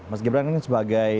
mas gibran kan sebagai